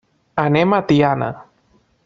Anem a Tiana.